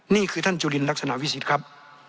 นี่คือท่านจุลินลักษณะวิสิทธิ์ครับ